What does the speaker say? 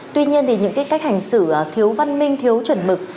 tuy nhiên thì những cái cách hành xử thiếu văn minh thiếu chuẩn mực